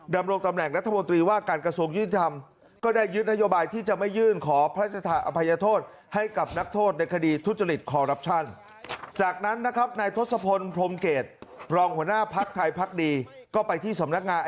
ดำรงตำแหน่งนัธมนตรีว่าการกระทรวงยื่นธรรม